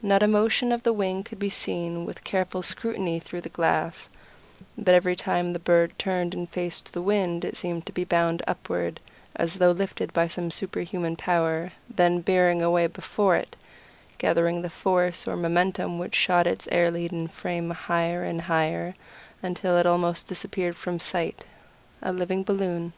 Not a motion of the wing could be seen with careful scrutiny through the glass, but every time the bird turned and faced the wind it seemed to bound upward as though lifted by some super human power, then bearing away before it, gathering the force or momentum which shot its air laden frame higher and higher until it almost disappeared from sight a living balloon."